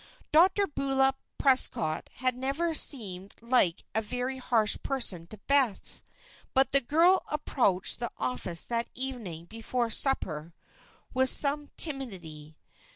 Dr. Beulah Prescott had never seemed like a very harsh person to Bess; but the girl approached the office that evening before supper with some timidity.